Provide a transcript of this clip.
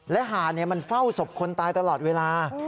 และหาดมันเฝ้าศพคนตายตลอดเวลา